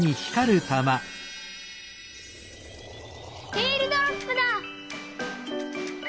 エールドロップだ！